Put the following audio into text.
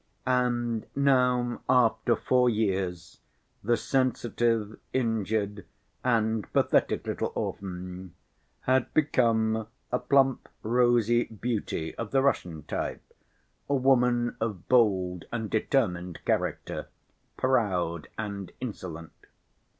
And now after four years the sensitive, injured and pathetic little orphan had become a plump, rosy beauty of the Russian type, a woman of bold and determined character, proud and insolent.